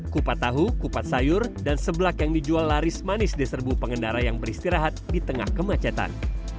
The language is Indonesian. kupat tahu kupat sayur dan seblak yang dijual laris manis di serbu pengendara yang beristirahat di tengah kemacetan